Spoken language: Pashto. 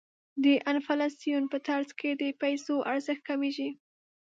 د انفلاسیون په ترڅ کې د پیسو ارزښت کمیږي.